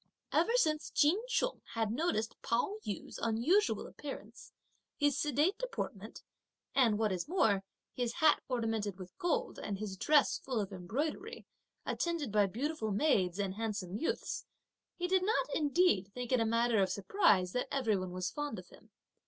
Ever since Ch'in Chung had noticed Pao yü's unusual appearance, his sedate deportment, and what is more, his hat ornamented with gold, and his dress full of embroidery, attended by beautiful maids and handsome youths, he did not indeed think it a matter of surprise that every one was fond of him.